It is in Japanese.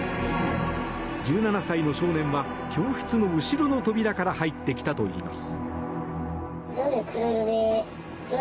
１７歳の少年は教室の後ろの扉から入ってきたといいます。